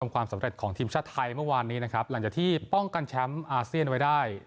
ความสำเร็จของทีมชาติไทยเมื่อวานนี้นะครับหลังจากที่ป้องกันแชมป์อาเซียนไว้ได้